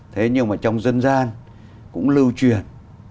thế nhưng mà trong dân gian cũng lưu truyền